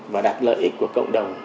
và đạt lợi ích của cộng đồng